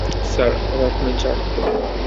Sir, আমার ফোনে charge কম।